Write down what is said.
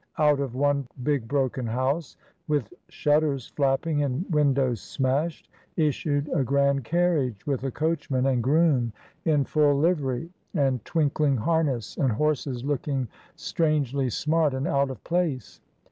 Out of one big broken house, with shutters flapping and windows smashed, issued a grand carriage, with a coachman and groom in AT VERSAILLES. 203 full livery, and twinkling harness, and horses look ing strangely smart and out of place.